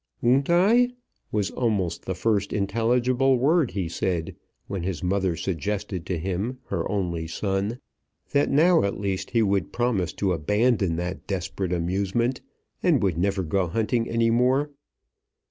"Won't I?" was almost the first intelligible word he said when his mother suggested to him, her only son, that now at least he would promise to abandon that desperate amusement, and would never go hunting any more.